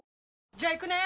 じゃあ行くね！